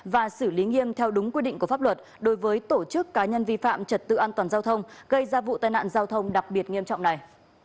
và xử lý nghiêm theo đúng quy định của pháp luật đối với tổ chức cá nhân vi phạm trật tự an toàn giao thông gây ra vụ tai nạn giao thông đặc biệt nghiêm trọng này